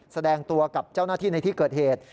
แสดงตัวกับเจ้าหน้าที่ในที่เกิดเหตุ